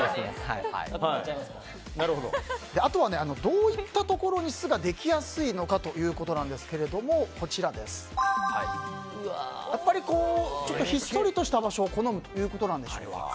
あとは、どういったところに巣ができやすいのかということですがやっぱり、ひっそりとした場所を好むということなんでしょうか。